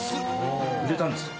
売れたんですか？